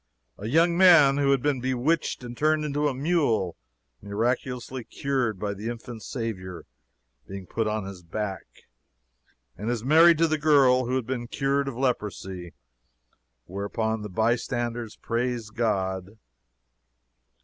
"A young man who had been bewitched and turned into a mule, miraculously cured by the infant Savior being put on his back, and is married to the girl who had been cured of leprosy. Whereupon the bystanders praise God.